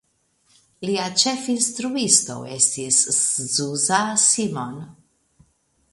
Lia ĉefinstruisto estis Zsuzsa Simon.